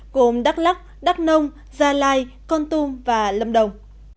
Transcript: gồm đắk lắc đắk nông gia lai con tum và lâm đồng